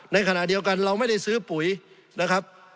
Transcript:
ในขณะเดียวกันเราไม่ได้ซื้อปุ๋ยนะครับ